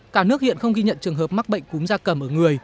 cả nước hiện không ghi nhận trường hợp mắc bệnh cúm da cầm